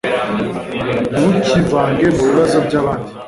ntukivange mubibazo byabandi